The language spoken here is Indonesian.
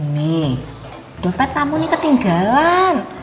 nih dompet kamu ini ketinggalan